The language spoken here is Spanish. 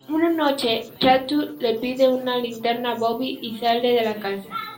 Una noche, Klaatu le pide una linterna a Bobby, y sale de la casa.